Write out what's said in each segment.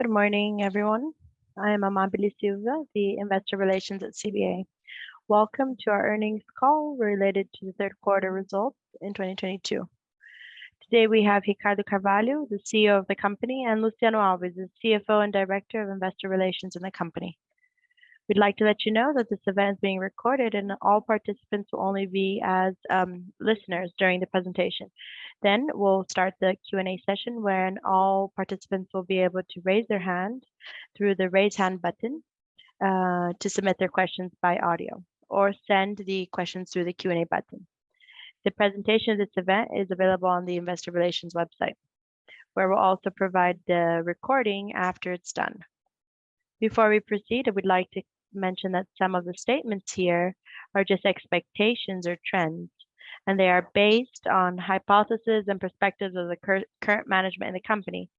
Good morning, everyone. I am Amábile Silva, Investor Relations at CBA. Welcome to our earnings call related to the third quarter results in 2022. Today we have Ricardo Carvalho, the CEO of the company, and Luciano Alves, the CFO and Director of Investor Relations in the company. We'd like to let you know that this event is being recorded and all participants will only be as listeners during the presentation. We'll start the Q&A session, when all participants will be able to raise their hand through the Raise Hand button to submit their questions by audio or send the questions through the Q&A button. The presentation of this event is available on the investor relations website, where we'll also provide the recording after it's done. Before we proceed, I would like to mention that some of the statements here are just expectations or trends, and they are based on hypotheses and perspectives of the current management in the company.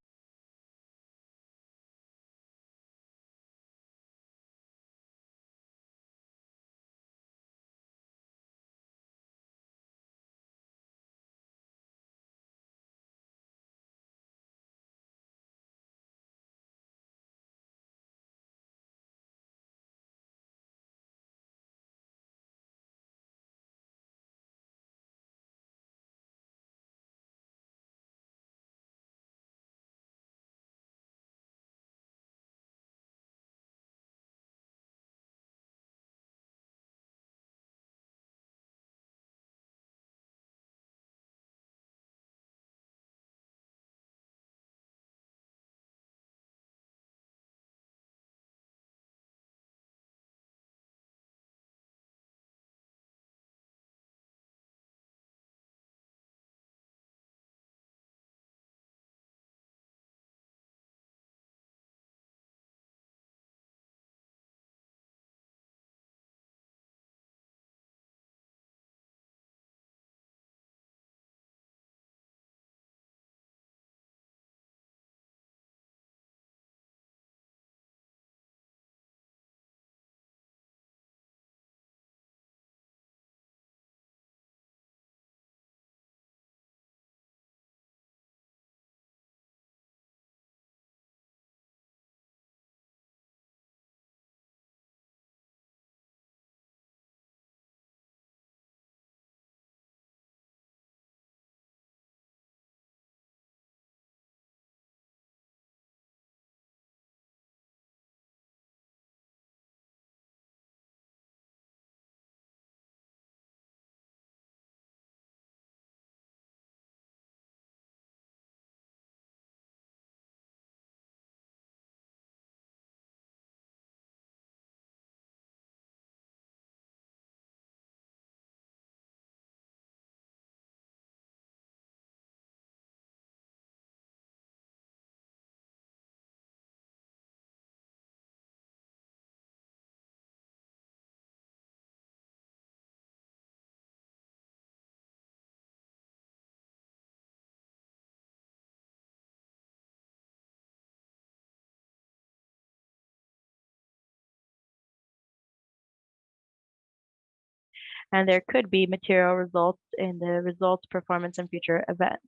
There could be material results in the results, performance and future events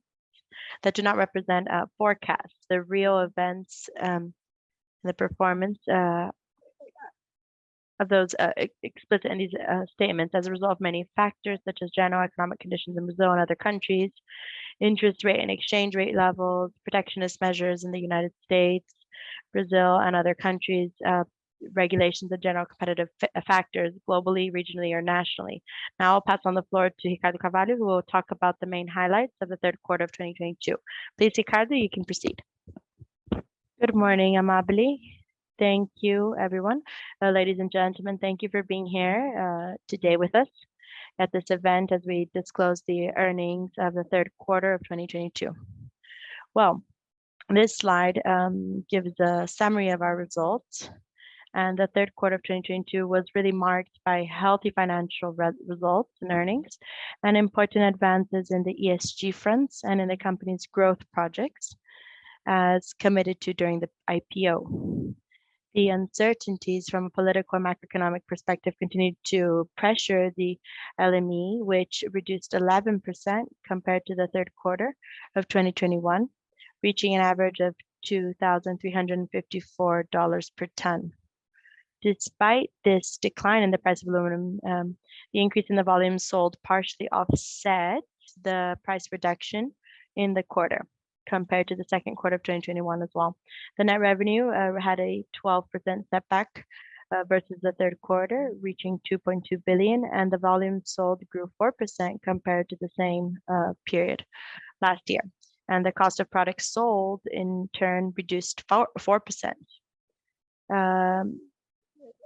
that do not represent forecasts. The real events, the performance of those explicit in these statements as a result of many factors, such as general economic conditions in Brazil and other countries, interest rate and exchange rate levels, protectionist measures in the United States, Brazil and other countries, regulations of general competitive factors globally, regionally or nationally. Now I'll pass on the floor to Ricardo Carvalho who will talk about the main highlights of the third quarter of 2022. Please, Ricardo, you can proceed. Good morning, Amábile. Thank you, everyone. Ladies and gentlemen, thank you for being here today with us at this event as we disclose the earnings of the third quarter of 2022. Well, this slide gives a summary of our results, and the third quarter of 2022 was really marked by healthy financial results and earnings and important advances in the ESG fronts and in the company's growth projects as committed to during the IPO. The uncertainties from a political and macroeconomic perspective continued to pressure the LME, which reduced 11% compared to the third quarter of 2021, reaching an average of $2,354 per ton. Despite this decline in the price of aluminum, the increase in the volume sold partially offset the price reduction in the quarter compared to the second quarter of 2021 as well. The net revenue had a 12% setback versus the third quarter, reaching 2.2 billion, and the volume sold grew 4% compared to the same period last year. The cost of products sold in turn reduced 4%.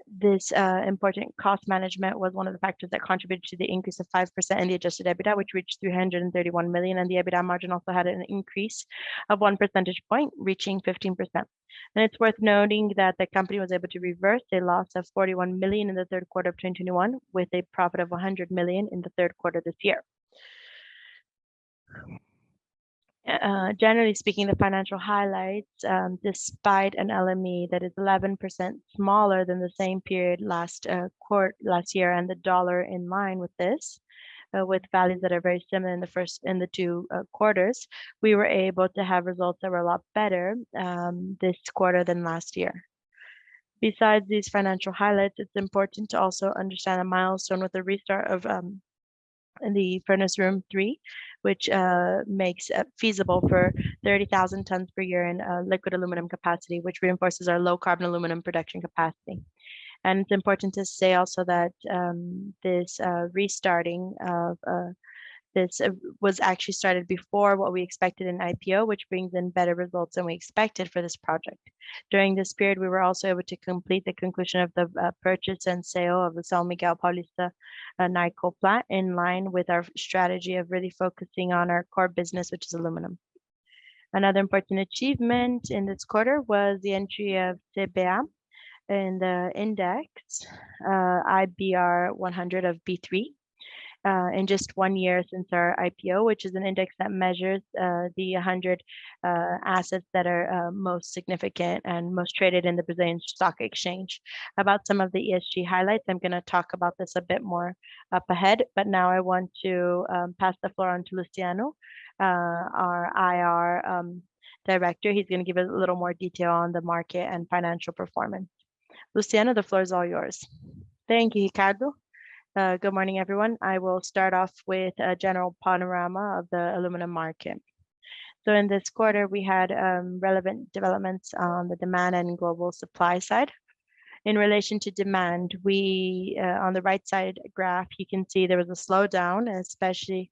This important cost management was one of the factors that contributed to the increase of 5% in the adjusted EBITDA, which reached 331 million, and the EBITDA margin also had an increase of 1 percentage point, reaching 15%. It's worth noting that the company was able to reverse a loss of 41 million in the third quarter of 2021 with a profit of 100 million in the third quarter this year. Generally speaking, the financial highlights, despite an LME that is 11% smaller than the same period last year and the dollar in line with this, with values that are very similar in the first two quarters, we were able to have results that were a lot better this quarter than last year. Besides these financial highlights, it's important to also understand a milestone with the restart of the furnace room three, which makes it feasible for 30,000 tons per year in liquid aluminum capacity, which reinforces our low-carbon aluminum production capacity. It's important to say also that this restarting of this was actually started before what we expected in IPO, which brings in better results than we expected for this project. During this period, we were also able to complete the conclusion of the purchase and sale of the São Miguel Paulista nickel plant in line with our strategy of really focusing on our core business, which is aluminum. Another important achievement in this quarter was the entry of CBA in the index IBrX 100 of B3 in just one year since our IPO, which is an index that measures the 100 assets that are most significant and most traded in the Brazilian Stock Exchange. About some of the ESG highlights, I'm gonna talk about this a bit more up ahead, but now I want to pass the floor on to Luciano, our IR director. He's gonna give a little more detail on the market and financial performance. Luciano, the floor is all yours. Thank you, Ricardo. Good morning, everyone. I will start off with a general panorama of the aluminum market. In this quarter, we had relevant developments on the demand and global supply side. In relation to demand, on the right side graph, you can see there was a slowdown, especially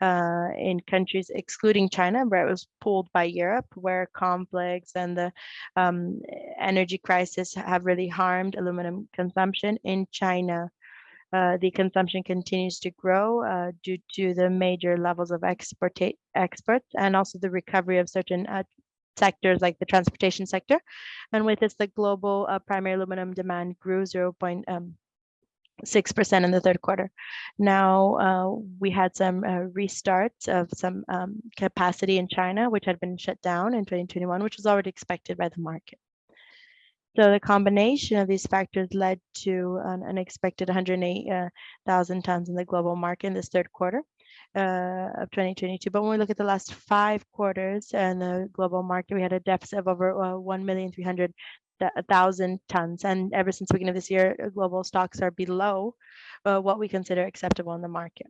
in countries excluding China, where it was pulled by Europe, where conflicts and the energy crisis have really harmed aluminum consumption. In China, the consumption continues to grow due to the major levels of exports and also the recovery of certain sectors like the transportation sector. With this, the global primary aluminum demand grew 0.6% in the third quarter. We had some restarts of some capacity in China, which had been shut down in 2021, which was already expected by the market. The combination of these factors led to an unexpected 108,000 tons in the global market in this third quarter of 2022. When we look at the last five quarters in the global market, we had a deficit of over 1,300,000 tons. Ever since the beginning of this year, global stocks are below what we consider acceptable in the market.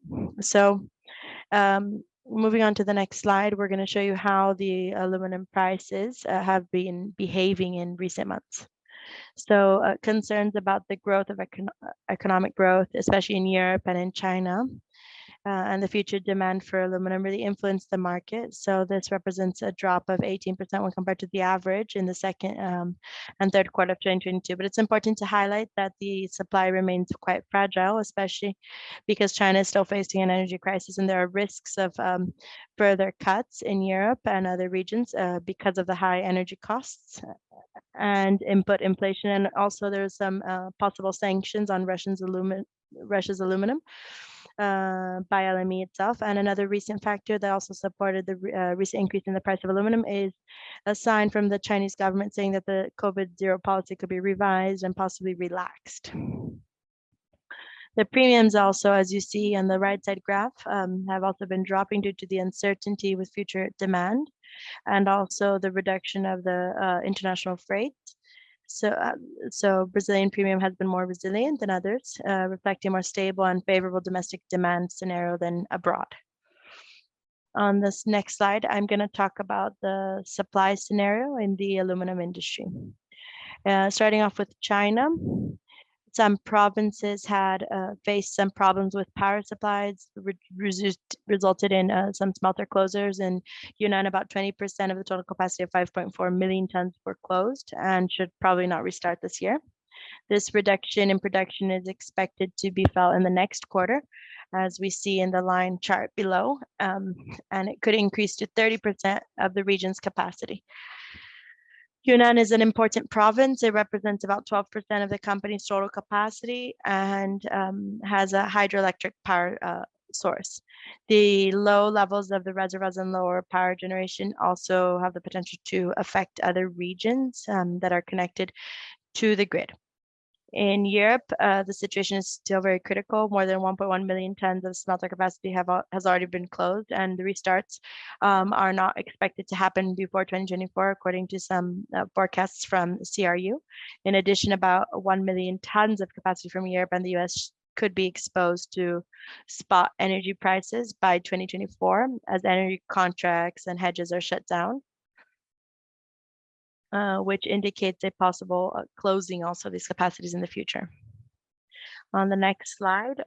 Moving on to the next slide, we're gonna show you how the aluminum prices have been behaving in recent months. Concerns about the growth of economic growth, especially in Europe and in China, and the future demand for aluminum really influenced the market. This represents a drop of 18% when compared to the average in the second and third quarter of 2022. It's important to highlight that the supply remains quite fragile, especially because China is still facing an energy crisis, and there are risks of further cuts in Europe and other regions because of the high energy costs and input inflation. There's some possible sanctions on Russia's aluminum by LME itself. Another recent factor that also supported the recent increase in the price of aluminum is a sign from the Chinese government saying that the COVID zero policy could be revised and possibly relaxed. The premiums also, as you see on the right side graph, have also been dropping due to the uncertainty with future demand and also the reduction of the international freight. Brazilian premium has been more resilient than others, reflecting more stable and favorable domestic demand scenario than abroad. On this next slide, I'm gonna talk about the supply scenario in the aluminum industry. Starting off with China, some provinces had faced some problems with power supplies, resulted in some smelter closures. In Hunan, about 20% of the total capacity of 5.4 million tons were closed and should probably not restart this year. This reduction in production is expected to be felt in the next quarter, as we see in the line chart below, and it could increase to 30% of the region's capacity. Hunan is an important province. It represents about 12% of the company's total capacity and has a hydroelectric power source. The low levels of the reservoirs and lower power generation also have the potential to affect other regions that are connected to the grid. In Europe, the situation is still very critical. More than 1.1 million tons of smelter capacity has already been closed, and the restarts are not expected to happen before 2024, according to some forecasts from CRU. In addition, about 1 million tons of capacity from Europe and the U.S. could be exposed to spot energy prices by 2024 as energy contracts and hedges are shut down, which indicates a possible closing also these capacities in the future. On the next slide,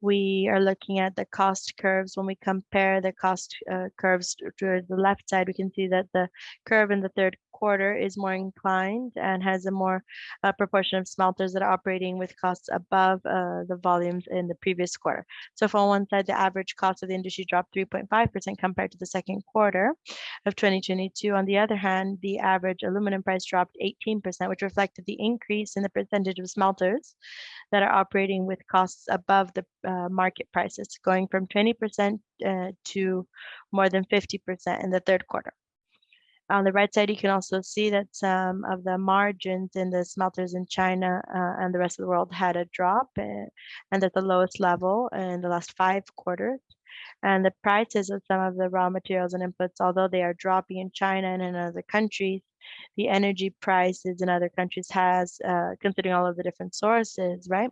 we are looking at the cost curves. When we compare the cost curves to the left side, we can see that the curve in the third quarter is more inclined and has a more proportion of smelters that are operating with costs above the volumes in the previous quarter. If on one side, the average cost of the industry dropped 3.5% compared to the second quarter of 2022, on the other hand, the average aluminum price dropped 18%, which reflected the increase in the percentage of smelters that are operating with costs above the market prices, going from 20% to more than 50% in the third quarter. On the right side, you can also see that some of the margins in the smelters in China and the rest of the world had a drop and at the lowest level in the last five quarters. The prices of some of the raw materials and inputs, although they are dropping in China and in other countries, the energy prices in other countries has considering all of the different sources, right?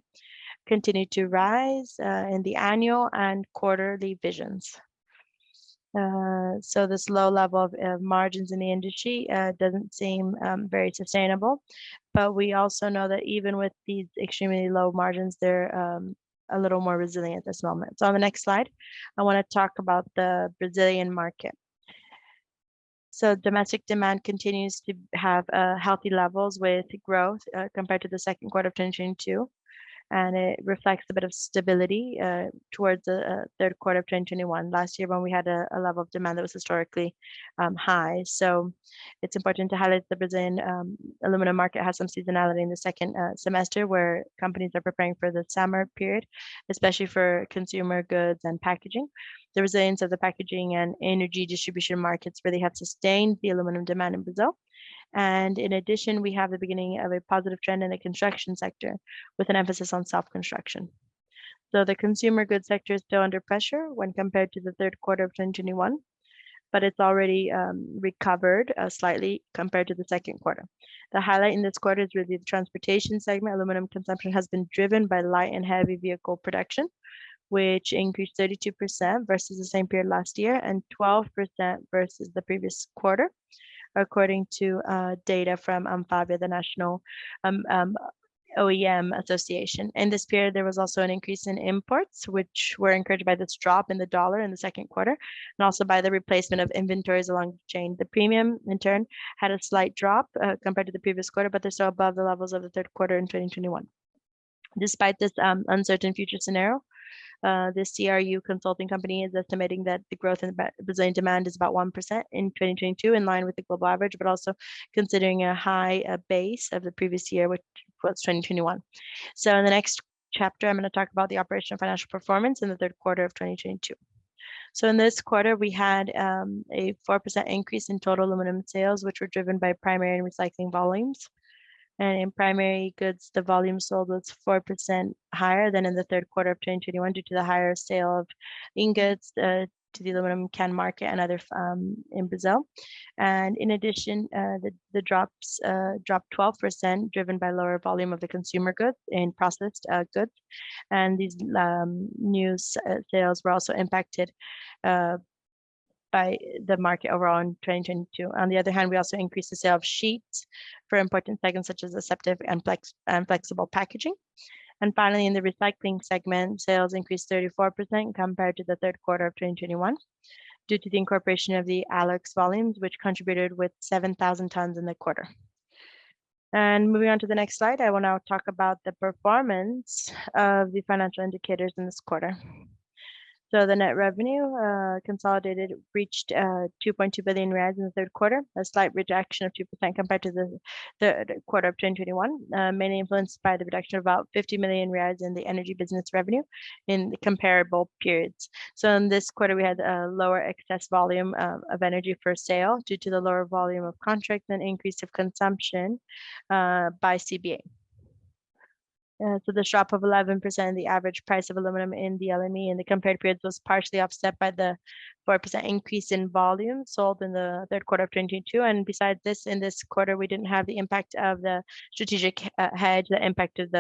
Continue to rise in the annual and quarterly visions. This low level of margins in the industry doesn't seem very sustainable. We also know that even with these extremely low margins, they're a little more resilient at this moment. On the next slide, I wanna talk about the Brazilian market. Domestic demand continues to have healthy levels with growth compared to the second quarter of 2022. It reflects a bit of stability towards the third quarter of 2021 last year when we had a level of demand that was historically high. It's important to highlight the Brazilian aluminum market has some seasonality in the second semester where companies are preparing for the summer period, especially for consumer goods and packaging. The resilience of the packaging and energy distribution markets really have sustained the aluminum demand in Brazil. In addition, we have the beginning of a positive trend in the construction sector with an emphasis on self-construction. Though the consumer goods sector is still under pressure when compared to the third quarter of 2021, but it's already recovered slightly compared to the second quarter. The highlight in this quarter is really the transportation segment. Aluminum consumption has been driven by light and heavy vehicle production, which increased 32% versus the same period last year and 12% versus the previous quarter, according to data from ANFAVEA, the national OEM association. In this period, there was also an increase in imports, which were encouraged by this drop in the dollar in the second quarter and also by the replacement of inventories along the chain. The premium, in turn, had a slight drop compared to the previous quarter, but they're still above the levels of the third quarter in 2021. Despite this uncertain future scenario, the CRU consulting company is estimating that the growth in Brazilian demand is about 1% in 2022, in line with the global average, but also considering a high base of the previous year, which was 2021. In the next chapter, I'm gonna talk about the operational financial performance in the third quarter of 2022. In this quarter, we had a 4% increase in total aluminum sales, which were driven by primary and recycling volumes. In primary goods, the volume sold was 4% higher than in the third quarter of 2021 due to the higher sale of ingots to the aluminum can market and other in Brazil. In addition, the drops dropped 12% driven by lower volume of the consumer goods in processed goods. These new sales were also impacted by the market overall in 2022. On the other hand, we also increased the sale of sheets for important segments such as aseptic and flexible packaging. Finally, in the recycling segment, sales increased 34% compared to the third quarter of 2021 due to the incorporation of the Alux volumes, which contributed with 7,000 tons in the quarter. Moving on to the next slide, I will now talk about the performance of the financial indicators in this quarter. The net revenue, consolidated reached BRL 2.2 billion in the third quarter, a slight reduction of 2% compared to the quarter of 2021, mainly influenced by the reduction of about 50 million reais in the nergy business revenue in the comparable periods. In this quarter, we had a lower excess volume of energy for sale due to the lower volume of contract and increase of consumption by CBA. The drop of 11%, the average price of aluminum in the LME in the compared period was partially offset by the 4% increase in volume sold in the third quarter of 2022. Besides this, in this quarter, we didn't have the impact of the strategic hedge that impacted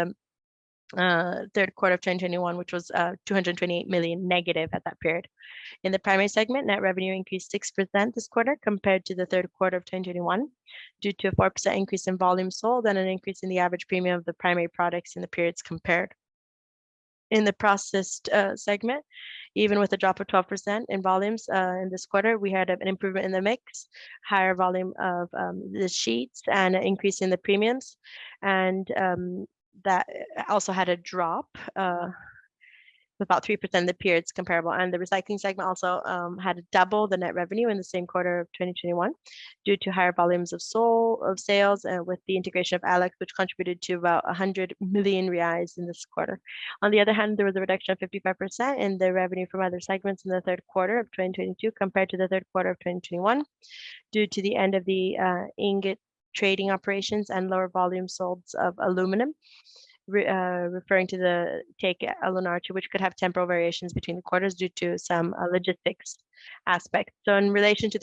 the third quarter of 2021, which was -228 million at that period. In the primary segment, net revenue increased 6% this quarter compared to the third quarter of 2021 due to a 4% increase in volume sold and an increase in the average premium of the primary products in the periods compared. In the processed segment, even with a drop of 12% in volumes in this quarter, we had an improvement in the mix, higher volume of the sheets and an increase in the premiums. That also had a drop about 3% in the periods comparable. The recycling segment also had double the net revenue in the same quarter of 2021 due to higher volumes of sales with the integration of Alux, which contributed to about 100 million reais in this quarter. On the other hand, there was a reduction of 55% in the revenue from other segments in the third quarter of 2022 compared to the third quarter of 2021 due to the end of the ingot trading operations and lower volumes sold of aluminum referring to the take Alunorte, which could have temporal variations between the quarters due to some logistics aspects. In relation to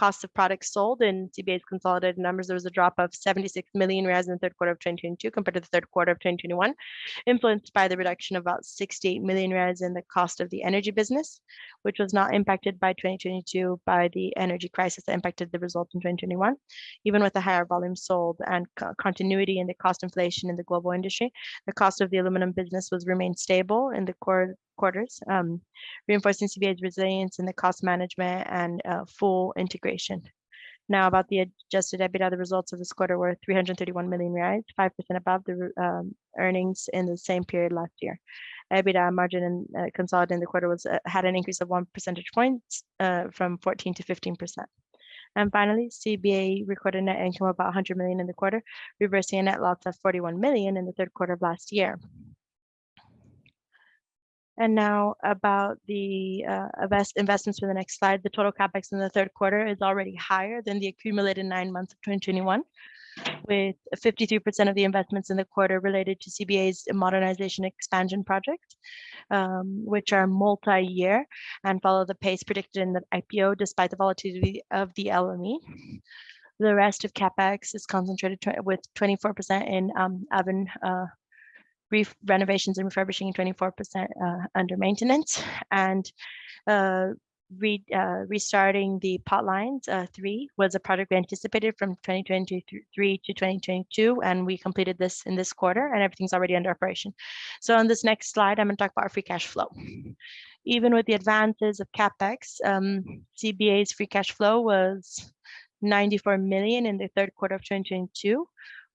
the cost of products sold in CBA's consolidated numbers, there was a drop of 76 million reais in the third quarter of 2022 compared to the third quarter of 2021, influenced by the reduction of about 68 million reais in the cost of the Energy business, which was not impacted by 2022 by the energy crisis that impacted the results in 2021. Even with the higher volume sold and continuity in the cost inflation in the global industry, the cost of the Aluminum business was remained stable in the quarters, reinforcing CBA's resilience in the cost management and full integration. Now about the adjusted EBITDA, the results of this quarter were 331 million reais, 5% above the earnings in the same period last year. EBITDA margin in consolidated in the quarter had an increase of 1 percentage points from 14% to 15%. Finally, CBA recorded net income of about 100 million in the quarter, reversing a net loss of 41 million in the third quarter of last year. Now about the investments for the next slide. The total CapEx in the third quarter is already higher than the accumulated nine months of 2021, with 53% of the investments in the quarter related to CBA's modernization expansion project, which are multi-year and follow the pace predicted in the IPO despite the volatility of the LME. The rest of CapEx is concentrated with 24% in own renovations and refurbishing and 24% under maintenance. Restarting Potline 3 was a project we anticipated from 2023 to 2022, and we completed this in this quarter, and everything's already under operation. On this next slide, I'm gonna talk about our free cash flow. Even with the advances of CapEx, CBA's free cash flow was 94 million in the third quarter of 2022,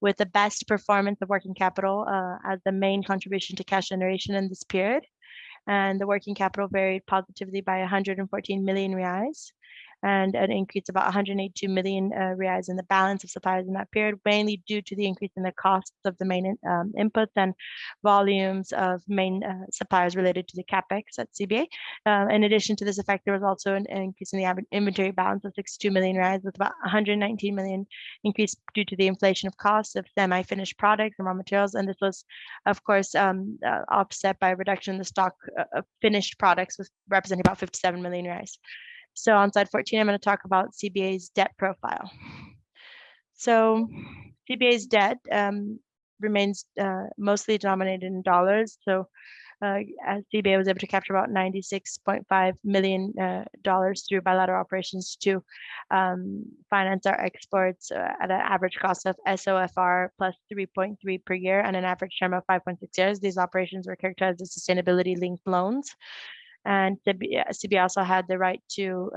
with the best performance of working capital as the main contribution to cash generation in this period. The working capital varied positively by 114 million reais, and an increase of about 182 million reais in the balance of suppliers in that period, mainly due to the increase in the costs of the main inputs and volumes of main suppliers related to the CapEx at CBA. In addition to this effect, there was also an increase in the inventory balance of BRL 62 million, with about a 119 million increase due to the inflation of costs of semi-finished products and raw materials. This was, of course, offset by a reduction in the stock of finished products worth about 57 million. On slide 14, I'm gonna talk about CBA's debt profile. CBA's debt remains mostly denominated in dollars. As CBA was able to capture about $96.5 million through bilateral operations to finance our exports at an average cost of SOFR + 3.3% per year and an average term of 5.6 years. These operations were characterized as sustainability-linked loans. CBA also had the right to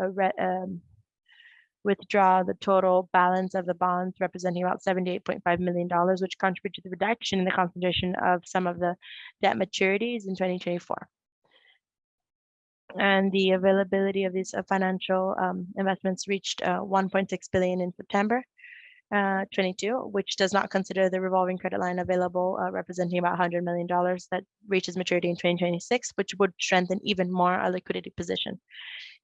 withdraw the total balance of the bonds representing about $78.5 million, which contribute to the reduction in the concentration of some of the debt maturities in 2024. The availability of these financial investments re ached 1.6 billion in September 2022, which does not consider the revolving credit line available, representing about $100 million that reaches maturity in 2026, which would strengthen even more our liquidity position.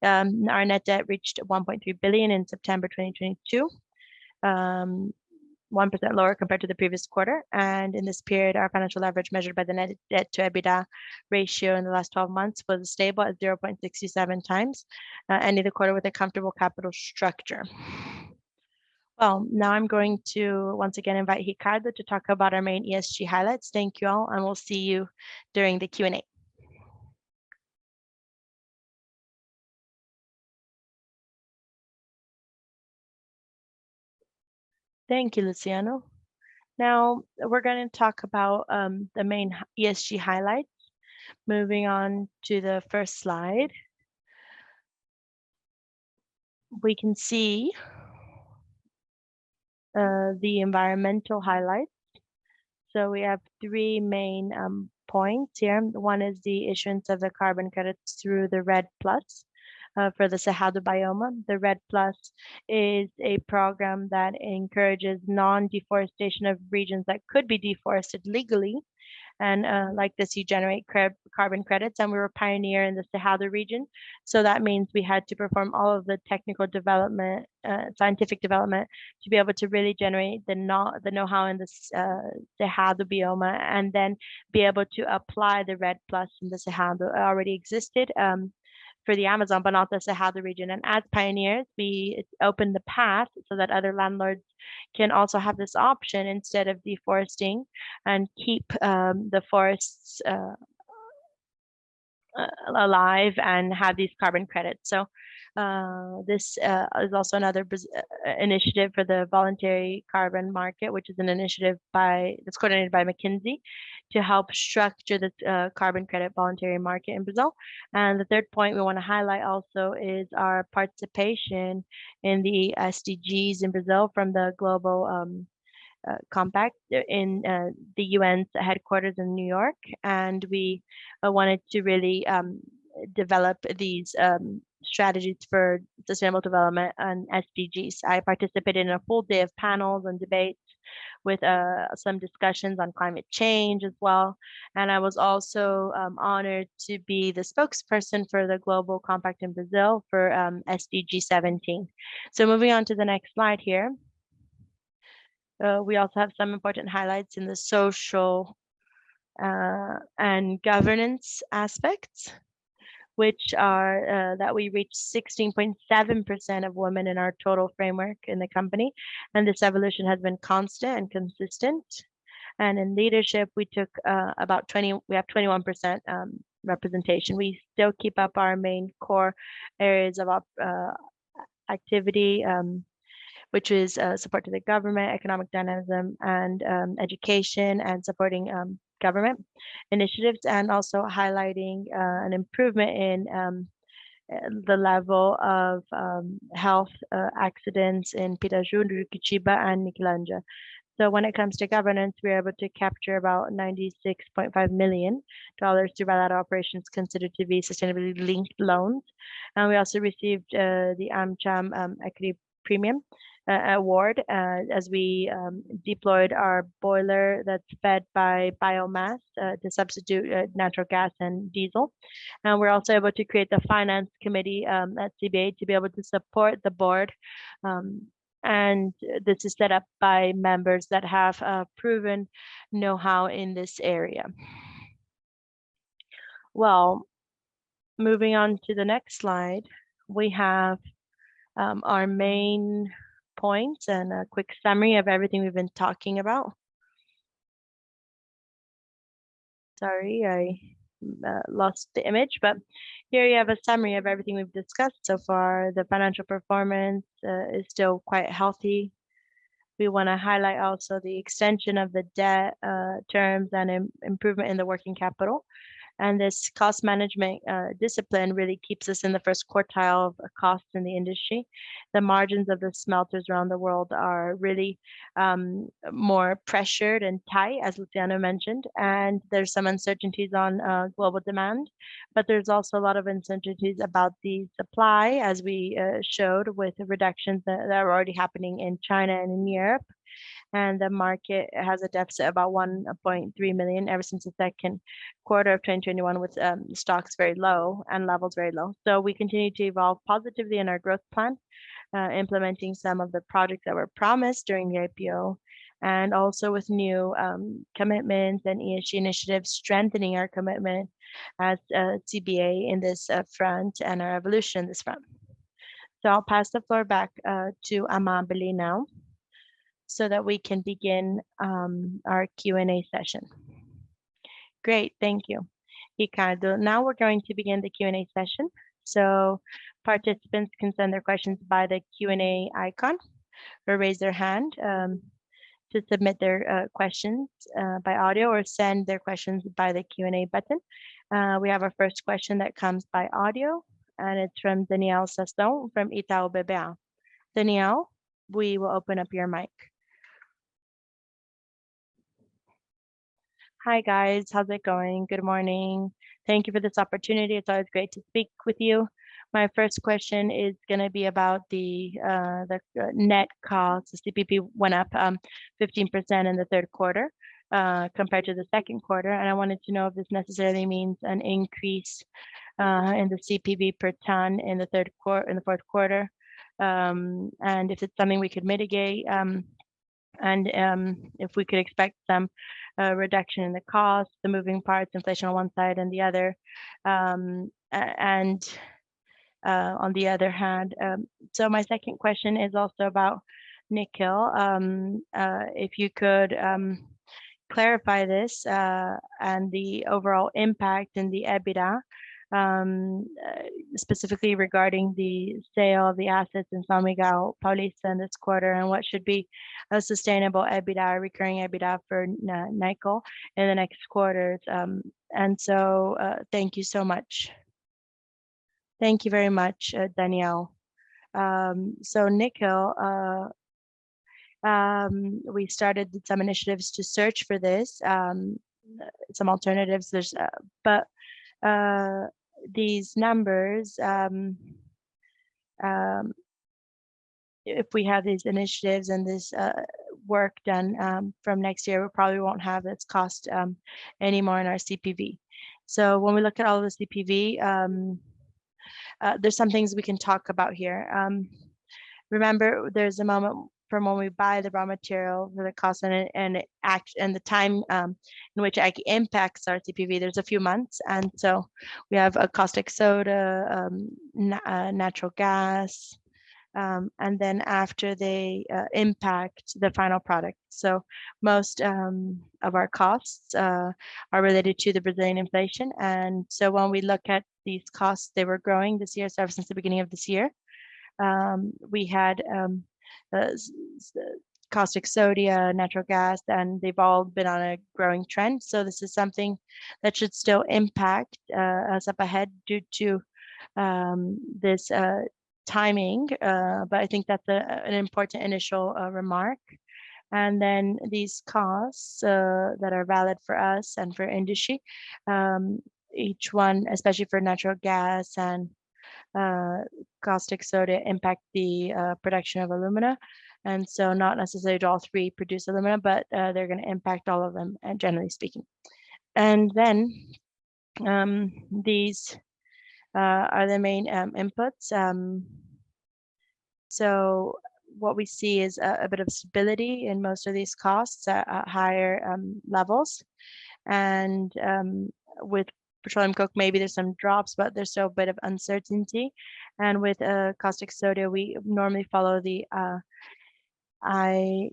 Our net debt reached 1.2 billion in September 2022, 1% lower compared to the previous quarter. In this period, our financial leverage measured by the net debt-to-EBITDA ratio in the last 12 months was stable at 0.67x, ending the quarter with a comfortable capital structure. Well, now I'm going to once again invite Ricardo Carvalho to talk about our main ESG highlights. Thank you all, and we'll see you during the Q&A. Thank you, Luciano. Now we're gonna talk about the main ESG highlights. Moving on to the first slide. We can see the environmental highlights. So we have three main points here. One is the issuance of the carbon credits through the REDD+ for the Cerrado Biome. The REDD+ is a program that encourages non-deforestation of regions that could be deforested legally. Like this, you generate carbon credits, and we were a pioneer in the Cerrado region. That means we had to perform all of the technical development, scientific development, to be able to really generate the know-how in this Cerrado Biome, and then be able to apply the REDD+ in the Cerrado. It already existed for the Amazon, but not the Cerrado region. As pioneers, we opened the path so that other landlords can also have this option instead of deforesting and keep the forests alive and have these carbon credits. This is also another Brazilian initiative for the voluntary carbon market, which is an initiative that's coordinated by McKinsey to help structure the carbon credit voluntary market in Brazil. The third point we want to highlight also is our participation in the SDGs in Brazil from the global compact in the UN's headquarters in New York. We wanted to really develop these strategies for sustainable development and SDGs. I participated in a full day of panels and debates with some discussions on climate change as well. I was also honored to be the spokesperson for the Global Compact in Brazil for SDG 17. Moving on to the next slide here. We also have some important highlights in the social and governance aspects, which are that we reached 16.7% of women in our total workforce in the company, and this evolution has been constant and consistent. In leadership, we have 21% representation. We still keep up our main core areas of activity, which is support to the government, economic dynamism, and education and supporting government initiatives, and also highlighting an improvement in the level of health accidents in Piraju, Alumínio, and Niquelândia. When it comes to governance, we're able to capture about $96.5 million through bilateral operations considered to be sustainability-linked loans. We also received the Prêmio ECO Amcham Award as we deployed our boiler that's fed by biomass to substitute natural gas and diesel. We're also able to create the finance committee at CBA to be able to support the board. This is set up by members that have proven know-how in this area. Well, moving on to the next slide, we have our main points and a quick summary of everything we've been talking about. Sorry, I lost the image, but here you have a summary of everything we've discussed so far. The financial performance is still quite healthy. We wanna highlight also the extension of the debt terms and improvement in the working capital. This cost management discipline really keeps us in the first quartile of cost in the industry. The margins of the smelters around the world are really more pressured and tight, as Luciano mentioned. There's some uncertainties on global demand, but there's also a lot of uncertainties about the supply as we showed with the reductions that are already happening in China and in Europe. The market has a deficit of about 1.3 million ever since the second quarter of 2021 with stocks very low and levels very low. We continue to evolve positively in our growth plan, implementing some of the products that were promised during the IPO and also with new commitments and ESG initiatives strengthening our commitment as CBA in this front and our evolution in this front. I'll pass the floor back to Amábile Silva now so that we can begin our Q&A session. Great. Thank you, Ricardo. Now we're going to begin the Q&A session. Participants can send their questions by the Q&A icon or raise their hand to submit their questions by audio, or send their questions by the Q&A button. We have our first question that comes by audio, and it's from Daniel Sasson from Itaú BBA. Daniel, we will open up your mic. Hi, guys. How's it going? Good morning. Thank you for this opportunity. It's always great to speak with you. My first question is gonna be about the net cost. The CPV went up 15% in the third quarter compared to the second quarter, and I wanted to know if this necessarily means an increase in the CPV per ton in the fourth quarter, and if it's something we could mitigate, and if we could expect some reduction in the cost, the moving parts, inflation on one side and the other, and on the other hand. My second question is also about nickel. If you could clarify this and the overall impact in the EBITDA, specifically regarding the sale of the assets in São Miguel Paulista this quarter and what should be a sustainable EBITDA, recurring EBITDA for nickel in the next quarters. Thank you so much. Thank you very much, Daniel. Nickel, we started some initiatives to search for this, some alternatives. These numbers, if we have these initiatives and this work done, from next year, we probably won't have its cost anymore in our CPV. When we look at all the CPV, there's some things we can talk about here. Remember there's a moment from when we buy the raw material for the cost and the time in which it impacts our CPV. There's a few months, and we have caustic soda, natural gas, and then after they impact the final product. Most of our costs are related to the Brazilian inflation. When we look at these costs, they were growing this year. Ever since the beginning of this year, we had caustic soda, natural gas, and they've all been on a growing trend. This is something that should still impact us up ahead due to this timing. I think that's an important initial remark. Then these costs that are valid for us and for industry, each one, especially for natural gas and caustic soda impact the production of alumina. Not necessarily all three produce alumina, but they're gonna impact all of them generally speaking. These are the main inputs. What we see is a bit of stability in most of these costs at higher levels. With petroleum coke, maybe there's some drops, but there's still a bit of uncertainty. With caustic soda, we normally follow the IHS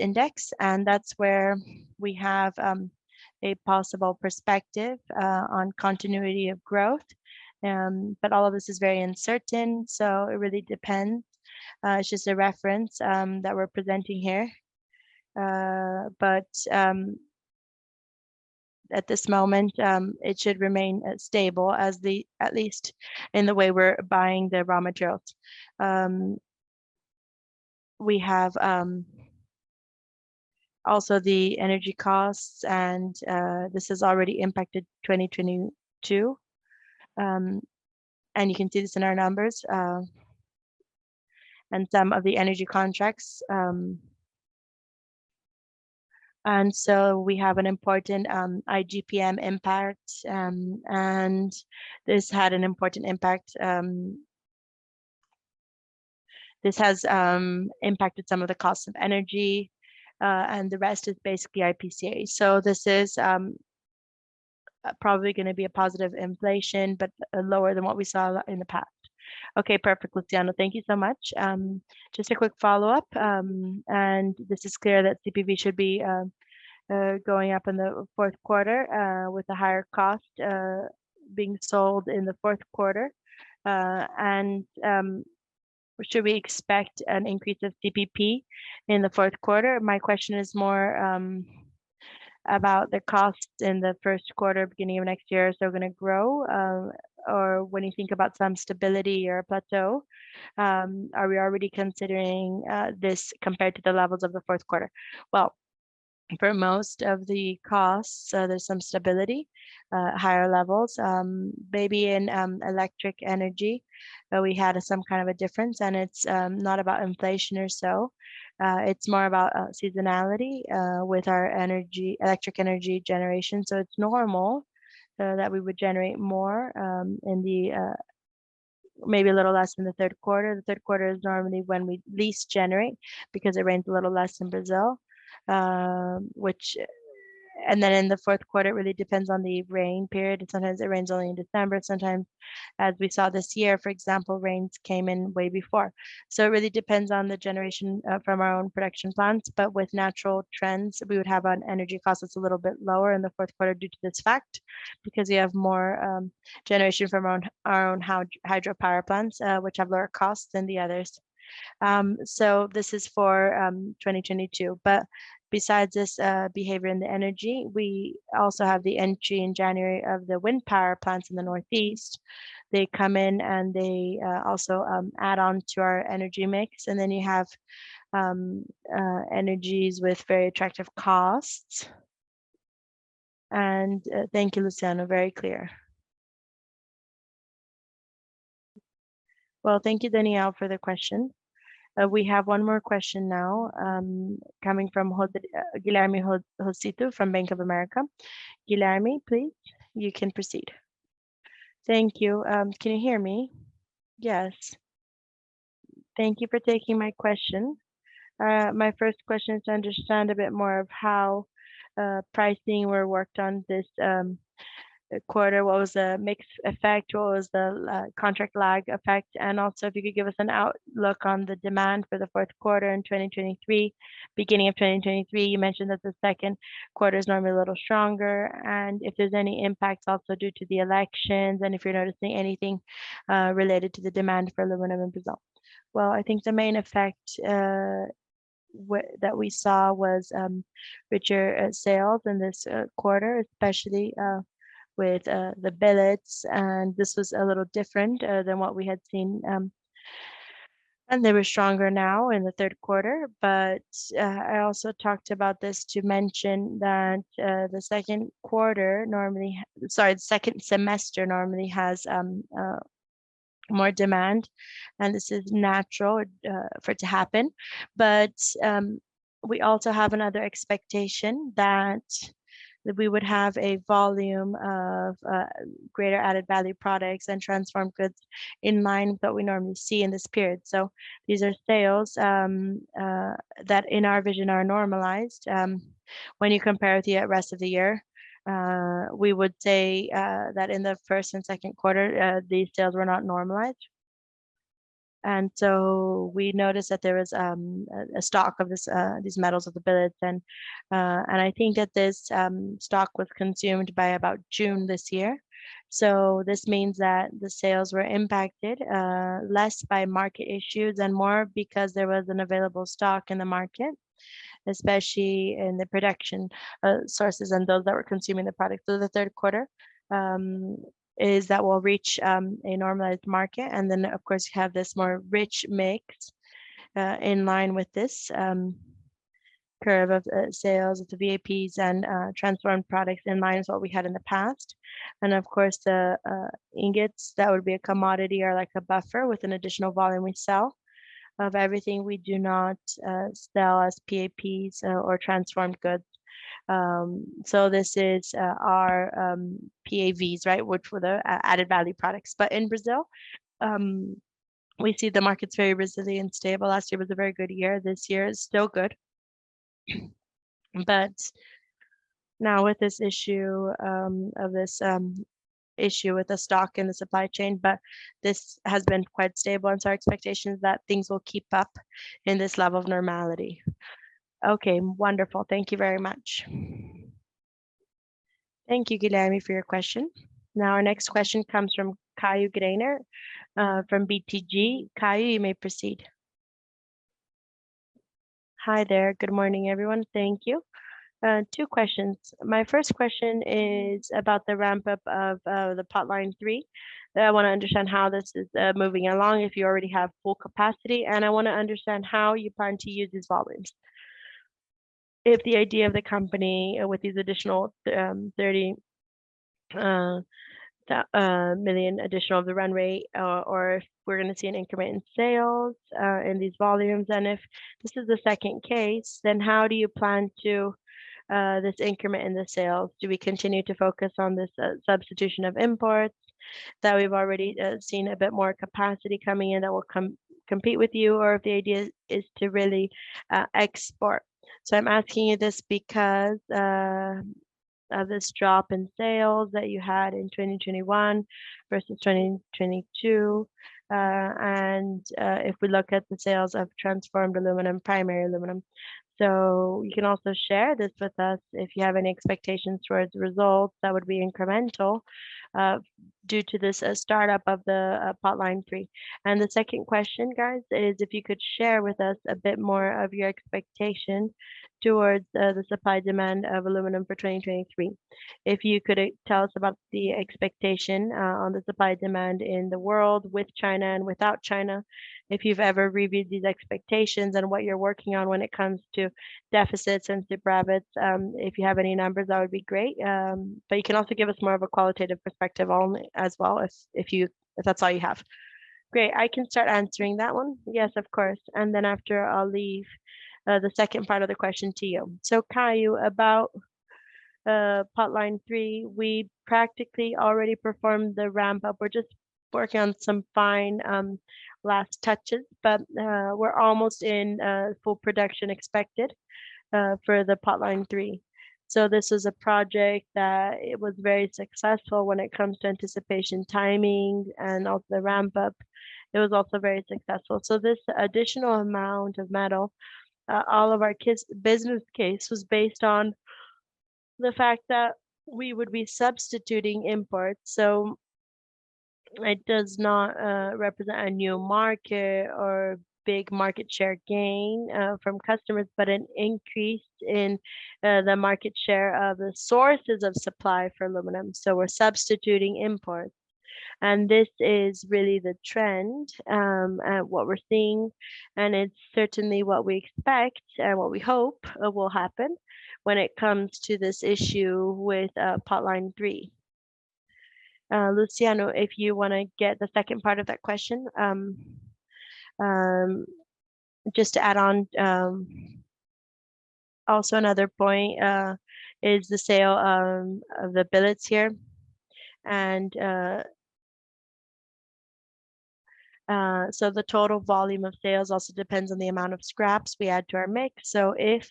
index, and that's where we have a possible perspective on continuity of growth. All of this is very uncertain, so it really depends. It's just a reference that we're presenting here. At this moment, it should remain as stable as, at least in the way we're buying the raw materials. We have also the energy costs, and this has already impacted 2022. You can see this in our numbers and some of the energy contracts. We have an important IGPM impact, and this has impacted some of the costs of energy, and the rest is basically IPCA. This is probably gonna be a positive inflation, but lower than what we saw in the past. Okay. Perfect, Luciano. Thank you so much. Just a quick follow-up. This is clear that CPV should be going up in the fourth quarter, with a higher cost being sold in the fourth quarter. Should we expect an increase of CPV in the fourth quarter? My question is more about the costs in the first quarter, beginning of next year. We're gonna grow, or when you think about some stability or a plateau, are we already considering this compared to the levels of the fourth quarter? Well, for most of the costs, there's some stability at higher levels. Maybe in electric energy, but we had some kind of a difference, and it's not about inflation or so. It's more about seasonality with our electric energy generation. It's normal that we would generate more, maybe a little less in the third quarter. The third quarter is normally when we least generate because it rains a little less in Brazil. In the fourth quarter, it really depends on the rain period. Sometimes it rains only in December, sometimes, as we saw this year, for example, rains came in way before. It really depends on the generation from our own production plants. With natural trends, we would have an energy cost that's a little bit lower in the fourth quarter due to this fact, because we have more generation from our own hydropower plants, which have lower costs than the others. This is for 2022. Besides this, behavior in the energy, we also have the entry in January of the wind-power plants in the northeast. They come in and they also add on to our energy mix. Then you have energies with very attractive costs. Thank you, Luciano. Very clear. Well, thank you, Daniel, for the question. We have one more question now, coming from Guilherme Rosito from Bank of America. Guilherme, please, you can proceed. Thank you. Can you hear me? Yes. Thank you for taking my question. My first question is to understand a bit more of how pricing were worked on this quarter. What was the mix effect? What was the contract lag effect? Also if you could give us an outlook on the demand for the fourth quarter in 2023. Beginning of 2023, you mentioned that the second quarter is normally a little stronger, and if there's any impact also due to the elections and if you're noticing anything related to the demand for aluminum in Brazil. Well, I think the main effect that we saw was richer sales in this quarter, especially with the billets. This was a little different than what we had seen, and they were stronger now in the third quarter. I also talked about this to mention that the second semester normally has more demand, and this is natural for it to happen. We also have another expectation that we would have a volume of greater value-added products and transformed goods in line that we normally see in this period. These are sales that in our vision are normalized. When you compare with the rest of the year, we would say that in the first and second quarter these sales were not normalized. We noticed that there was a stock of these metal billets. I think that this stock was consumed by about June this year. This means that the sales were impacted less by market issues and more because there was an available stock in the market, especially in the production sources and those that were consuming the product through the third quarter, that we'll reach a normalized market. Then of course you have this more rich mix in line with this curve of sales of the VAPs and transformed products in line as what we had in the past. Of course the ingots that would be a commodity or like a buffer with an additional volume we sell of everything we do not sell as VAPs or transformed goods. This is our VAPs, right, which were the added value products. In Brazil we see the market's very resilient, stable. Last year was a very good year. This year is still good. Now with this issue of this issue with the stock and the supply chain. This has been quite stable and so our expectation is that things will keep up in this level of normality. Okay, wonderful. Thank you very much. Thank you, Guilherme, for your question. Now our next question comes from Caio Greiner from BTG. Caio, you may proceed. Hi there. Good morning, everyone. Thank you. Two questions. My first question is about the ramp-up of the Potline 3. I wanna understand how this is moving along, if you already have full capacity, and I wanna understand how you plan to use these volumes. If the idea of the company with these additional 30 million additional of the run rate, or if we're gonna see an increment in sales in these volumes. If this is the second case, then how do you plan to this increment in the sales? Do we continue to focus on this substitution of imports? That we've already seen a bit more capacity coming in that will compete with you or if the idea is to really export. I'm asking you this because of this drop in sales that you had in 2021 versus 2022. If we look at the sales of transformed aluminum, primary aluminum. You can also share this with us if you have any expectations toward results that would be incremental due to this startup of the Potline 3. The second question, guys, is if you could share with us a bit more of your expectation toward the supply and demand of aluminum for 2023. If you could tell us about the expectation on the supply and demand in the world with China and without China. If you've ever reviewed these expectations and what you're working on when it comes to deficits and super profits. If you have any numbers, that would be great. But you can also give us more of a qualitative perspective only as well as if that's all you have. Great. I can start answering that one. Yes, of course. After, I'll leave the second part of the question to you. Caio, about Potline 3, we practically already performed the ramp up. We're just working on some fine last touches, but we're almost in full production expected for Potline 3. This is a project that it was very successful when it comes to anticipation timing and also the ramp up. It was also very successful. This additional amount of metal, all of our business case was based on the fact that we would be substituting imports. It does not represent a new market or big market share gain from customers, but an increase in the market share of the sources of supply for aluminum. We're substituting imports. This is really the trend that we're seeing, and it's certainly what we expect and what we hope will happen when it comes to this issue with Potline 3. Luciano, if you wanna get the second part of that question, just to add on, also another point is the sale of the billets here. The total volume of sales also depends on the amount of scraps we add to our mix. If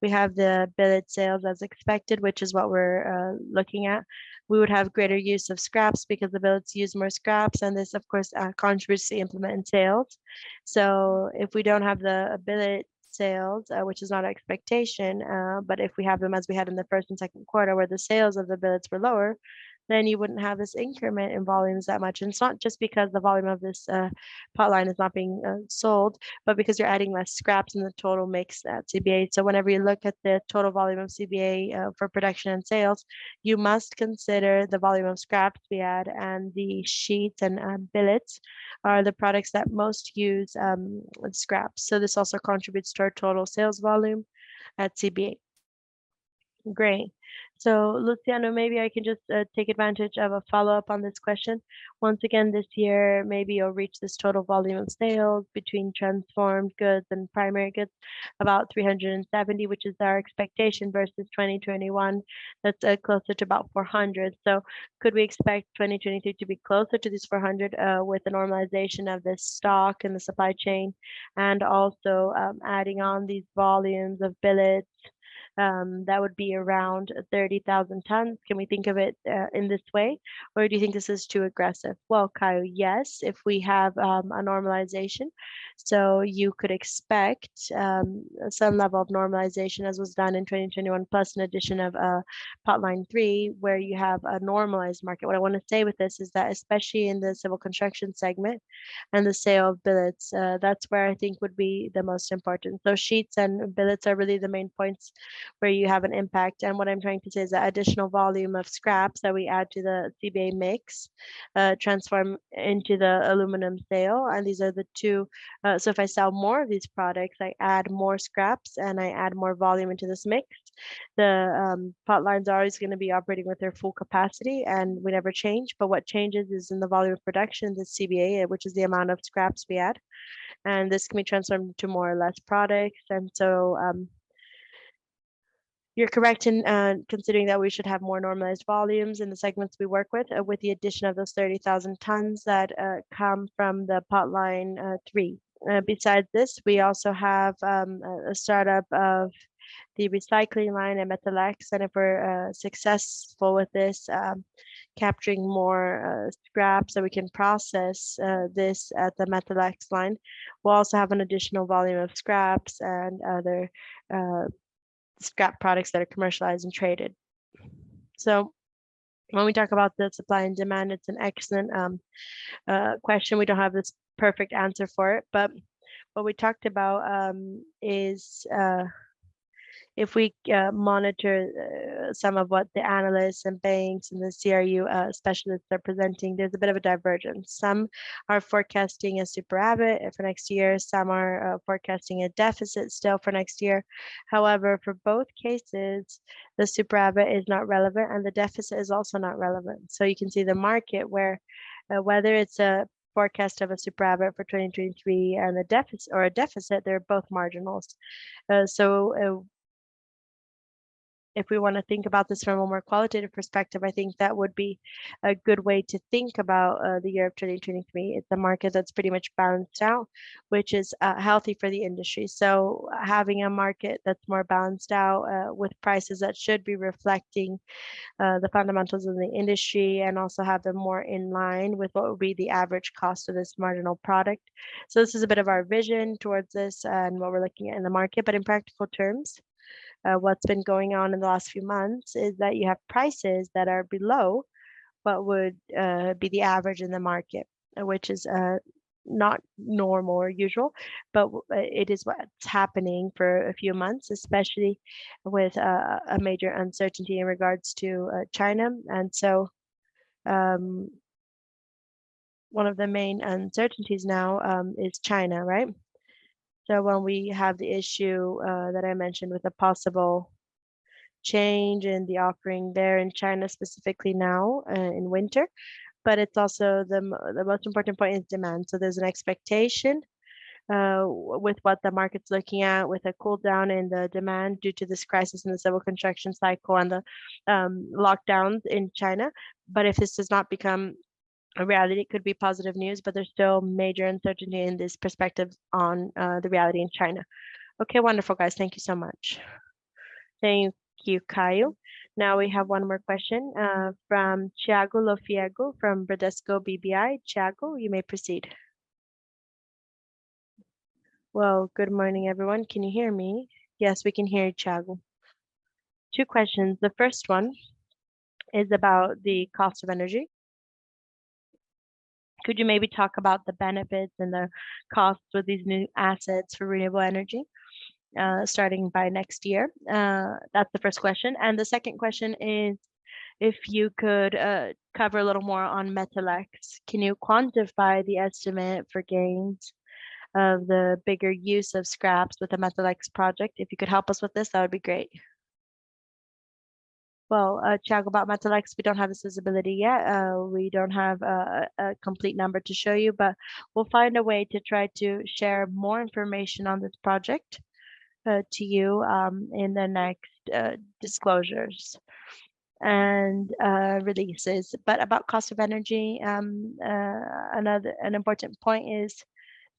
we have the billet sales as expected, which is what we're looking at, we would have greater use of scraps because the billets use more scraps, and this, of course, contributes to the incremental sales. If we don't have the billet sales, which is not our expectation, but if we have them as we had in the first and second quarter where the sales of the billets were lower, then you wouldn't have this increment in volumes that much. It's not just because the volume of this potline is not being sold, but because you're adding less scraps in the total mix at CBA. Whenever you look at the total volume of CBA for production and sales, you must consider the volume of scraps we add, and the sheets and billets are the products that most use scraps. This also contributes to our total sales volume at CBA. Great. Luciano, maybe I can just take advantage of a follow-up on this question. Once again, this year, maybe you'll reach this total volume of sales between transformed goods and primary goods about 370, which is our expectation versus 2021. That's closer to about 400. Could we expect 2023 to be closer to this 400, with the normalization of the stock and the supply chain and also adding on these volumes of billets that would be around 30,000 tons? Can we think of it in this way, or do you think this is too aggressive? Well, Caio, yes, if we have a normalization. You could expect some level of normalization as was done in 2021, plus an addition of Potline 3, where you have a normalized market. What I wanna say with this is that, especially in the civil construction segment and the sale of billets, that's where I think would be the most important. Sheets and billets are really the main points where you have an impact. What I'm trying to say is the additional volume of scraps that we add to the CBA mix, transform into the aluminum sale. If I sell more of these products, I add more scraps and I add more volume into this mix. The potlines are always gonna be operating with their full capacity and would never change. What changes is in the volume of production, the CBA, which is the amount of scraps we add, and this can be transformed to more or less products. You're correct in considering that we should have more normalized volumes in the segments we work with the addition of those 30,000 tons that come from the Potline 3. Besides this, we also have a startup of the recycling line at Metalex. If we're successful with this, capturing more scraps that we can process this at the Metalex line, we'll also have an additional volume of scraps and other scrap products that are commercialized and traded. When we talk about the supply and demand, it's an excellent question. We don't have the perfect answer for it, but what we talked about is if we monitor some of what the analysts and banks and the CRU specialists are presenting, there's a bit of a divergence. Some are forecasting a surplus for next year, some are forecasting a deficit still for next year. However, for both cases, the surplus is not relevant and the deficit is also not relevant. You can see the market where whether it's a forecast of a surplus for 2023 and a deficit, they're both marginal. If we wanna think about this from a more qualitative perspective, I think that would be a good way to think about the year of 2023. It's a market that's pretty much balanced out, which is healthy for the industry. Having a market that's more balanced out with prices that should be reflecting the fundamentals of the industry and also have them more in line with what would be the average cost of this marginal product. This is a bit of our vision towards this and what we're looking at in the market. In practical terms, what's been going on in the last few months is that you have prices that are below what would be the average in the market, which is not normal or usual, but it is what's happening for a few months, especially with a major uncertainty in regards to China. One of the main uncertainties now is China, right? When we have the issue that I mentioned with a possible change in the offering there in China specifically now in winter, but it's also the most important point is demand. There's an expectation with what the market's looking at with a cool down in the demand due to this crisis in the civil construction cycle and the lockdowns in China. If this does not become a reality, it could be positive news, but there's still major uncertainty in this perspective on the reality in China. Okay. Wonderful, guys. Thank you so much. Thank you, Caio. Now we have one more question from Thiago Lofiego from Bradesco BBI. Thiago, you may proceed. Well, good morning, everyone. Can you hear me? Yes, we can hear you, Thiago. Two questions. The first one is about the cost of energy. Could you maybe talk about the benefits and the costs with these new assets for renewable energy starting by next year? That's the first question. The second question is if you could cover a little more on Metalex. Can you quantify the estimate for gains of the bigger use of scraps with the Metalex project? If you could help us with this, that would be great. Well, Thiago, about Metalex, we don't have the visibility yet. We don't have a complete number to show you, but we'll find a way to try to share more information on this project to you in the next disclosures and releases. But about cost of energy, another important point is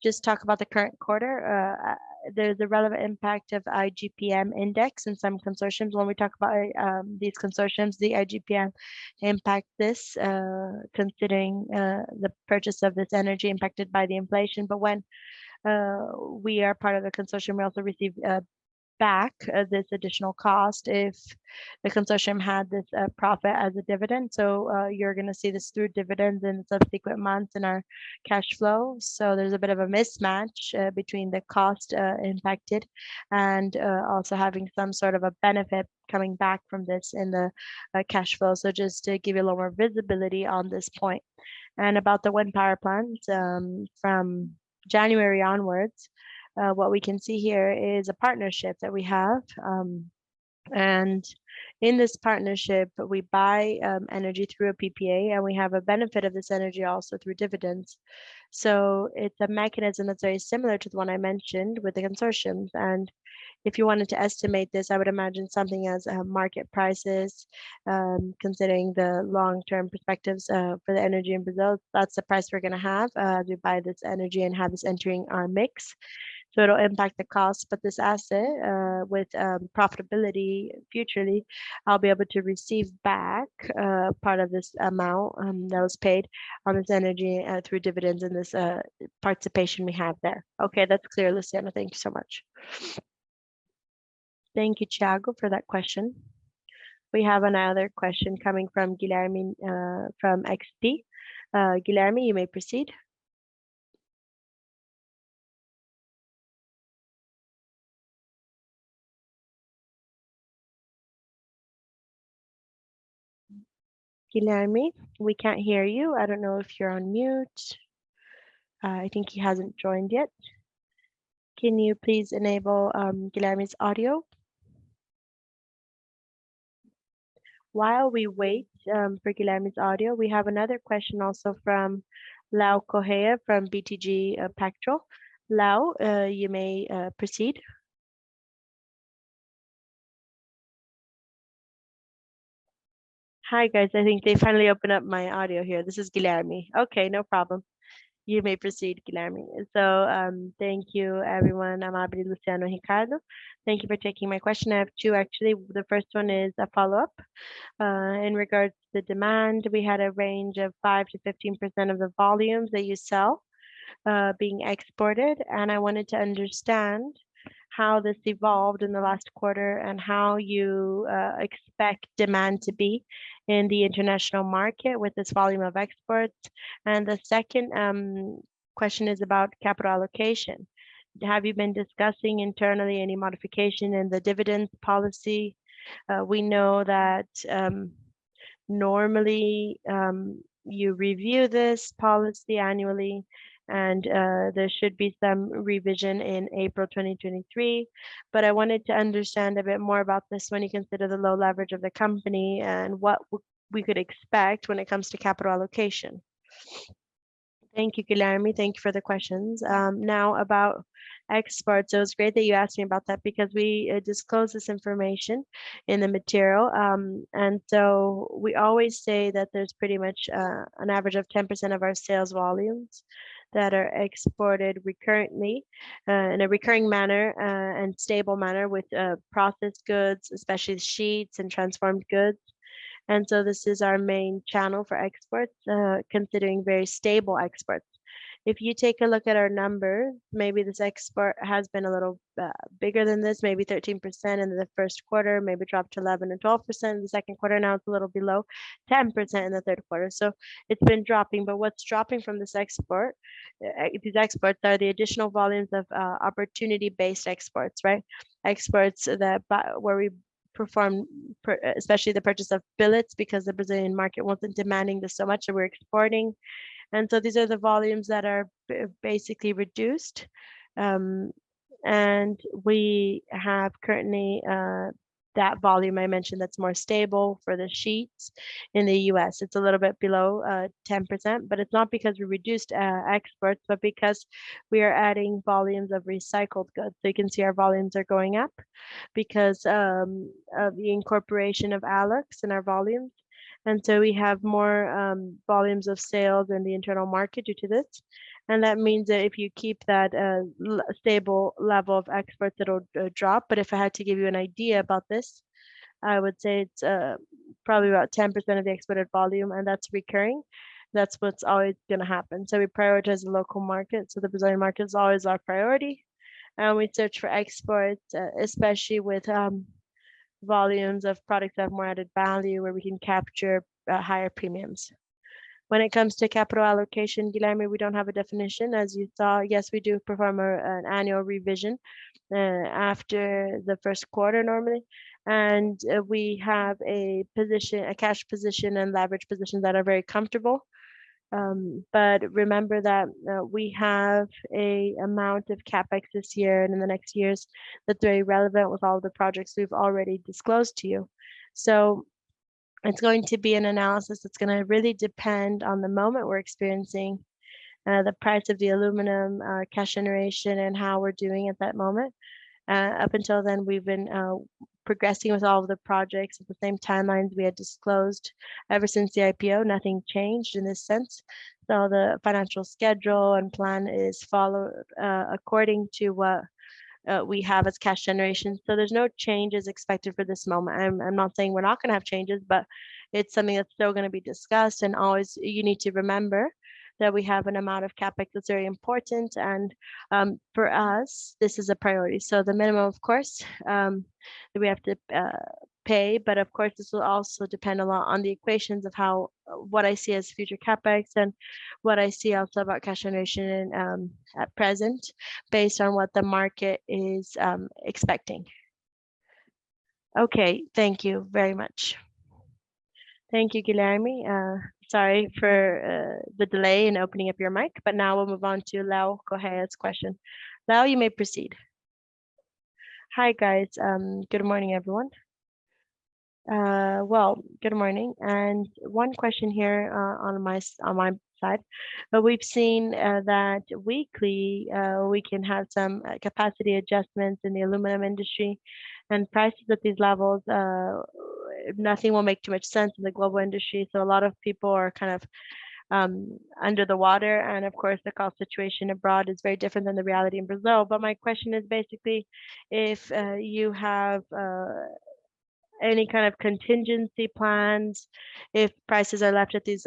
just talk about the current quarter. The relevant impact of IGPM index in some consortiums. When we talk about these consortiums, the IGPM impact, this considering the purchase of this energy impacted by the inflation. When we are part of the consortium, we also receive back this additional cost if the consortium had this profit as a dividend. You're gonna see this through dividends in subsequent months in our cash flow. There's a bit of a mismatch between the cost impacted and also having some sort of a benefit coming back from this in the cash flow. Just to give you a little more visibility on this point. About the wind-power plant, from January onwards, what we can see here is a partnership that we have. In this partnership, we buy energy through a PPA, and we have a benefit of this energy also through dividends. It's a mechanism that's very similar to the one I mentioned with the consortiums. If you wanted to estimate this, I would imagine something as market prices, considering the long-term perspectives, for the energy in Brazil. That's the price we're gonna have to buy this energy and have this entering our mix. So it'll impact the cost. But this asset with profitability, futurally, I'll be able to receive back part of this amount that was paid on this energy through dividends and this participation we have there. Okay. That's clear, Luciano. Thank you so much. Thank you, Thiago, for that question. We have another question coming from Guilherme from XP. Guilherme, you may proceed. Guilherme, we can't hear you. I don't know if you're on mute. I think he hasn't joined yet. Can you please enable Guilherme's audio? While we wait for Guilherme's audio, we have another question also from Leonardo Correa from BTG Pactual. Leonardo, you may proceed. Hi, guys. I think they finally opened up my audio here. This is Guilherme. Okay. No problem. You may proceed, Guilherme. So, thank you, everyone. Amábile, Luciano, Ricardo. Thank you for taking my question. I have two, actually. The first one is a follow-up. In regards to the demand, we had a range of 5%-15% of the volumes that you sell being exported, and I wanted to understand how this evolved in the last quarter and how you expect demand to be in the international market with this volume of exports. The second question is about capital allocation. Have you been discussing internally any modification in the dividend policy? We know that normally you review this policy annually, and there should be some revision in April 2023. I wanted to understand a bit more about this when you consider the low leverage of the company and what we could expect when it comes to capital allocation. Thank you, Guilherme. Thank you for the questions. Now about exports. It's great that you asked me about that because we disclose this information in the material. We always say that there's pretty much an average of 10% of our sales volumes that are exported recurrently in a recurring manner and stable manner with finished goods, especially the sheets and transformed goods. This is our main channel for exports considering very stable exports. If you take a look at our number, maybe this export has been a little bigger than this, maybe 13% in the first quarter, maybe dropped to 11% and 12% in the second quarter. Now it's a little below 10% in the third quarter. It's been dropping. What's dropping from this export? These exports are the additional volumes of opportunity-based exports, right? Exports that where we perform especially the purchase of billets because the Brazilian market wasn't demanding this so much that we're exporting. These are the volumes that are basically reduced. We have currently that volume I mentioned that's more stable for the sheets in the U.S. It's a little bit below 10%, but it's not because we reduced exports, but because we are adding volumes of recycled goods. You can see our volumes are going up because the incorporation of Alux in our volumes. We have more volumes of sales in the internal market due to this. That means that if you keep that stable level of exports, it'll drop. If I had to give you an idea about this, I would say it's probably about 10% of the exported volume, and that's recurring. That's what's always gonna happen. We prioritize the local market. The Brazilian market is always our priority, and we search for exports, especially with volumes of products that have more added value, where we can capture higher premiums. When it comes to capital allocation, Guilherme, we don't have a definition, as you saw. Yes, we do perform an annual revision after the first quarter normally. We have a cash position and leverage position that are very comfortable. Remember that we have an amount of CapEx this year and in the next years that's very relevant with all the projects we've already disclosed to you. It's going to be an analysis that's gonna really depend on the moment we're experiencing, the price of the aluminum, our cash generation, and how we're doing at that moment. Up until then, we've been progressing with all of the projects at the same timelines we had disclosed ever since the IPO. Nothing changed in this sense. The financial schedule and plan is following according to what we have as cash generation. There's no changes expected for this moment. I'm not saying we're not gonna have changes, but it's something that's still gonna be discussed. Always, you need to remember that we have an amount of CapEx that's very important and, for us, this is a priority. The minimum, of course, that we have to pay. Of course, this will also depend a lot on the equations of how what I see as future CapEx and what I see also about cash generation and, at present, based on what the market is, expecting. Okay. Thank you very much. Thank you, Guilherme. Sorry for the delay in opening up your mic, but now we'll move on to Leonardo Correa's question. Leonardo Correa, you may proceed. Hi, guys. Good morning, everyone. Well, good morning. One question here, on my side. We've seen that weekly, we can have some capacity adjustments in the aluminum industry. Prices at these levels, nothing will make too much sense in the global industry, so a lot of people are kind of under the water. Of course, the cost situation abroad is very different than the reality in Brazil. My question is basically if you have any kind of contingency plans, if prices are left at these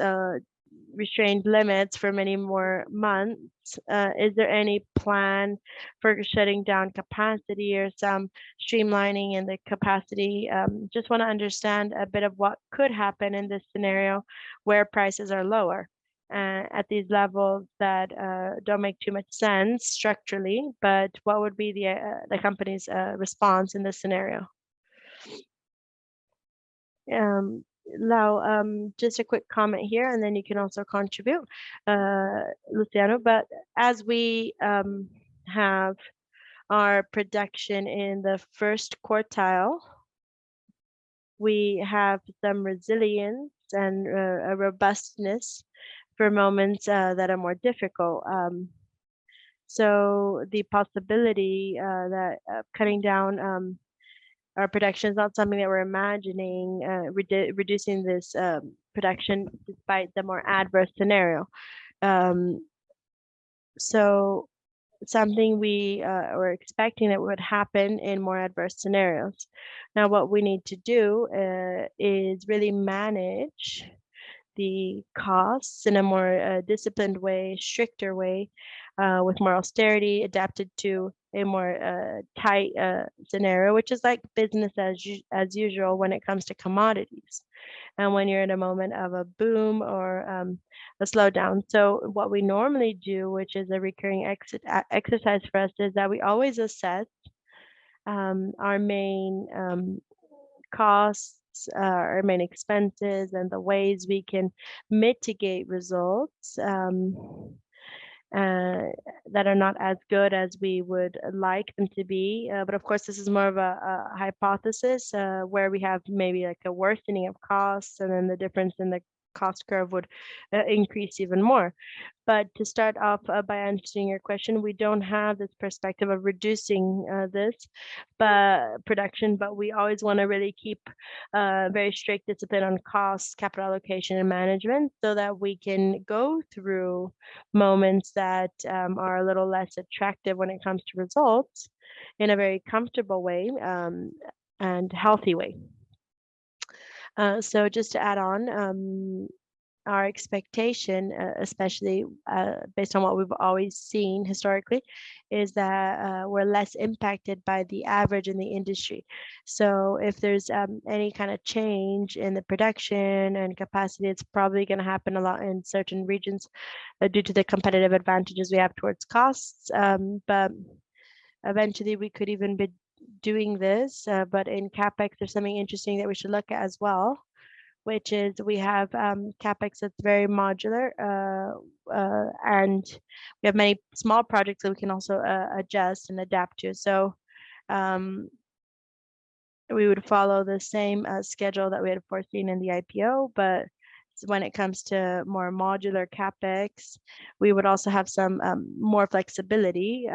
restrained limits for many more months, is there any plan for shutting down capacity or some streamlining in the capacity? Just wanna understand a bit of what could happen in this scenario where prices are lower at these levels that don't make too much sense structurally, but what would be the company's response in this scenario? Leo, just a quick comment here, and then you can also contribute, Luciano. As we have our production in the first quartile, we have some resilience and a robustness for moments that are more difficult. The possibility that cutting down our production is not something that we're imagining, reducing this production despite the more adverse scenario. Something we were expecting that would happen in more adverse scenarios. Now, what we need to do is really manage the costs in a more disciplined way, stricter way, with more austerity adapted to a more tight scenario, which is like business as usual when it comes to commodities and when you're in a moment of a boom or a slowdown. What we normally do, which is a recurring exercise for us, is that we always assess our main costs, our main expenses, and the ways we can mitigate results that are not as good as we would like them to be. Of course, this is more of a hypothesis where we have maybe like a worsening of costs and then the difference in the cost curve would increase even more. To start off by answering your question, we don't have this perspective of reducing production, but we always wanna really keep a very strict discipline on costs, capital allocation, and management so that we can go through moments that are a little less attractive when it comes to results in a very comfortable way and healthy way. So just to add on, our expectation, especially based on what we've always seen historically, is that we're less impacted by the average in the industry. If there's any kind of change in the production and capacity, it's probably gonna happen a lot in certain regions due to the competitive advantages we have towards costs. Eventually we could even be doing this. In CapEx, there's something interesting that we should look at as well, which is we have CapEx that's very modular. We have many small projects that we can also adjust and adapt to. We would follow the same schedule that we had foreseen in the IPO. When it comes to more modular CapEx, we would also have some more flexibility,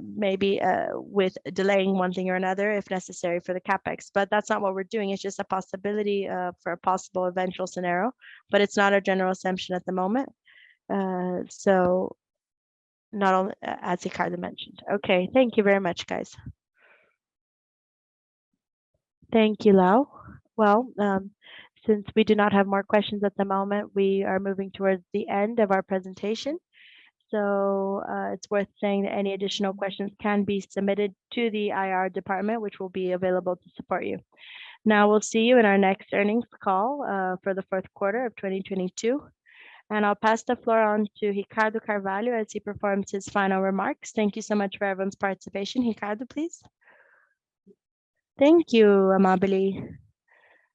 maybe, with delaying one thing or another if necessary for the CapEx. That's not what we're doing. It's just a possibility for a possible eventual scenario, but it's not a general assumption at the moment. As Ricardo mentioned. Okay, thank you very much, guys. Thank you, Leonardo. Well, since we do not have more questions at the moment, we are moving towards the end of our presentation. It's worth saying that any additional questions can be submitted to the IR department, which will be available to support you. Now, we'll see you in our next earnings call for the fourth quarter of 2022, and I'll pass the floor on to Ricardo Carvalho as he performs his final remarks. Thank you so much for everyone's participation. Ricardo, please. Thank you, Amábile.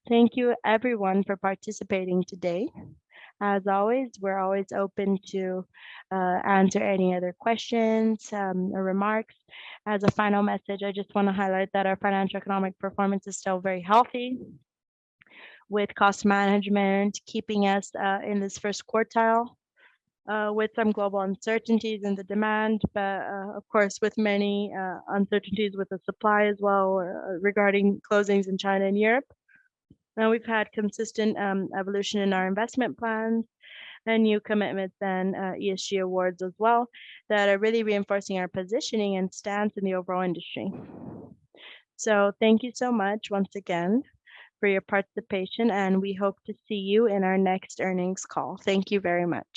Thank you everyone for participating today. As always, we're always open to answer any other questions or remarks. As a final message, I just wanna highlight that our financial economic performance is still very healthy, with cost management keeping us in this first quartile with some global uncertainties in the demand, but of course, with many uncertainties with the supply as well regarding closings in China and Europe. Now we've had consistent evolution in our investment plans and new commitments and ESG awards as well that are really reinforcing our positioning and stance in the overall industry. Thank you so much once again for your participation, and we hope to see you in our next earnings call. Thank you very much.